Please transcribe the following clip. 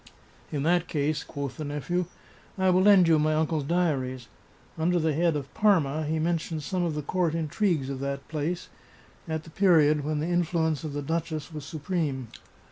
" In that case," quoth the nephew, " I will lend you my uncle's diaries. Under the head of Parma he men tions some of the court intrigues of that place, at the period when the influence of the duchess was supreme.